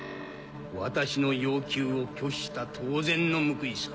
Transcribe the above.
私の要求を拒否した当然の報いさ。